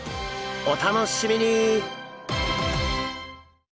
お楽しみに！